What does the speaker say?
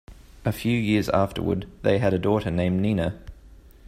A few years afterward, they had a daughter named Nina.